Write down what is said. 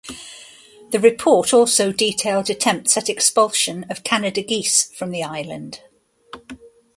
The report also detailed attempts at expulsion of Canada geese from the island.